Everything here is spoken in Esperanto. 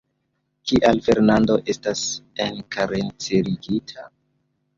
Kial Fernando estas enkarcerigita?